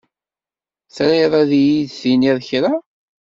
Triḍ ad iyi-d-tiniḍ kra?